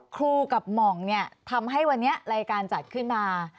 ครูกับหม่องทำให้วันนี้รายการจัดขึ้นมา